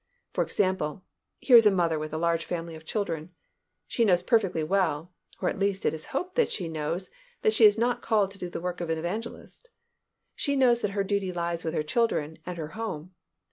For example, here is a mother with a large family of children. She knows perfectly well, or at least it is hoped that she knows, that she is not called to do the work of an evangelist. She knows that her duty lies with her children and her home.